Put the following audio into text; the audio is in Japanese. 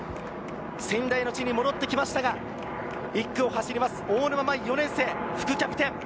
仙台の地に戻ってきましたが、１区を走ります大沼亜衣、４年生、副キャプテン。